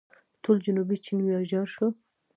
ټول جنوبي چین ویجاړ شو.